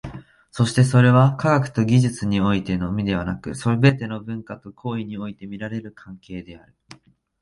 そしてそれは、科学と技術においてのみでなく、すべての文化と行為において見られる関係である。